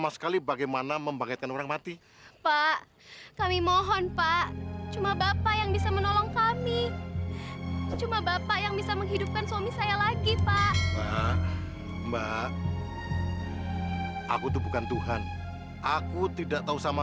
sampai jumpa di video selanjutnya